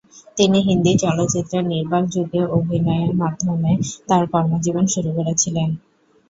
তিনি হিন্দি চলচ্চিত্রের নির্বাক যুগে অভিনয়ের মাধ্যমে তার কর্মজীবন শুরু করেছিলেন।